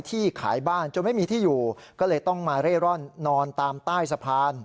ที่ขายบ้านจนไม่มีที่อยู่ก็เลยต้องมาเร่ร่อนนอนตามใต้สะพาน